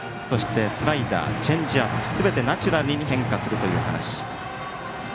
スライダー、チェンジアップすべてナチュラルに変化するという話。